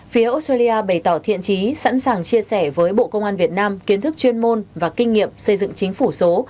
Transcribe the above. phía australia bày tỏ thiện trí sẵn sàng chia sẻ với bộ công an việt nam kiến thức chuyên môn và kinh nghiệm xây dựng chính phủ số